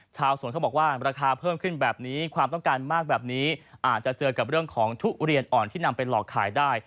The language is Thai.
ชาวสวนเขาบอกว่าราคาเพิ่มขึ้นแบบนี้ความต้องการมากแบบนี้อาจจะเจอกับเรื่องของทุเรียนอ่อนที่นำไปหลอกขายได้